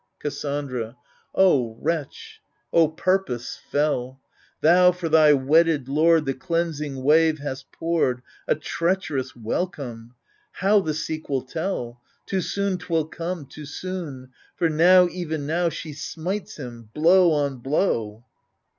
Cassandra O wretch, O purpose fell ! Thou for thy wedded lord The cleansing wave hast poured — A treacherous welcome ! How the sequel tell ? Too soon 'twill come, too soon, for now, even now. She smites him, blow on blow